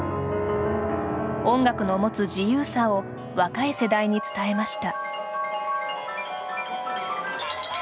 音楽の持つ自由さを若い世代に伝えました。